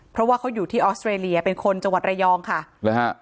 เพราะว่าเขาอยู่ที่ออสเตรเลียเป็นคนจังหวัดระยองค่ะหรือฮะ